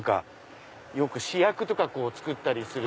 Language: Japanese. よく試薬とか作ったりする。